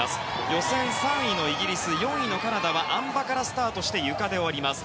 予選３位のイギリス４位のカナダはあん馬からスタートしてゆかで終わります。